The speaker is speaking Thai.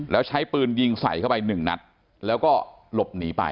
แล้วใช้ปืนยิงใสเลย๑นัดแล้วก็หลบหนีไป